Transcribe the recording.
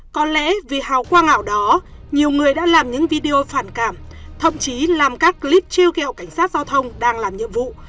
có lẽ vì hào quang ảo đó nhiều người đã làm những video phản cảm thậm chí làm các clip chiêu kẹo cảnh sát giao thông đang làm nhiệm vụ